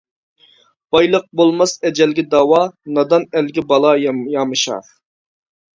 بايلىق بولماس ئەجەلگە داۋا، نادان ئەلگە بالا يامىشار.